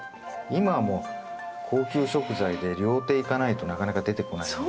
今はもう高級食材で料亭行かないとなかなか出てこないんで。